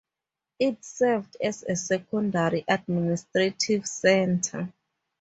It served as a secondary administrative centre.